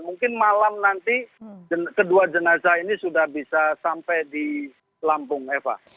mungkin malam nanti kedua jenazah ini sudah bisa sampai di lampung eva